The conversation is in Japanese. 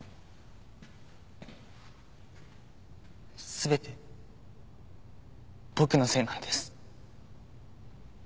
全て僕のせいなんです。